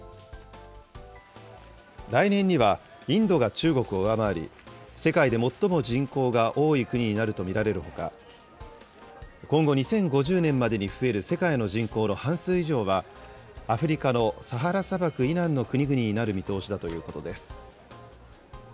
来年にはインドが中国を上回り、世界で最も人口が多い国になると見られるほか、今後２０５０年までに増える世界の人口の半数以上は、アフリカのサハラ砂漠以南の国々になる見通しだということです。